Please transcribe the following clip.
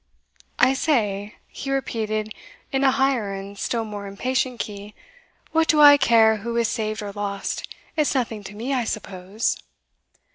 "I say," he repeated in a higher and still more impatient key, "what do I care who is saved or lost? It's nothing to me, I suppose?"